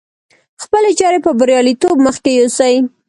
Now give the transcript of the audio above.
خپلې چارې په برياليتوب مخکې يوسي.